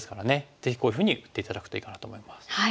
ぜひこういうふうに打って頂くといいかなと思います。